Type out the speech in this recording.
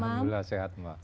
alhamdulillah sehat mbak